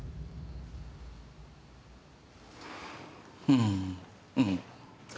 うんうん。